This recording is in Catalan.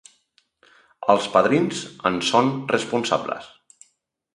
Els padrins en són responsables.